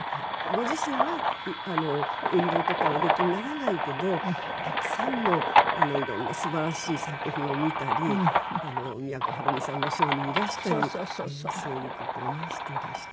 ご自身は運動とかおできにならないけどたくさんのいろんな素晴らしい作品を見たり都はるみさんのショーにいらしたりそういう事をねしていらして。